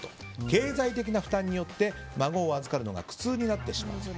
経済的な負担によって孫を預かるのが苦痛になってしまう。